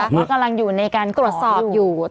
เดินเลยไม่มันกำลังอยู่ในการตรวจสอบอยู่